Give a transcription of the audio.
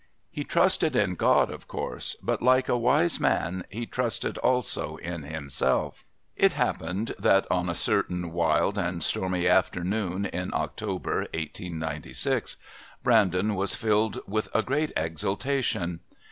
He trusted in God, of course, but, like a wise man, he trusted also in himself. It happened that on a certain wild and stormy afternoon in October 1896 Brandon was filled with a great exultation.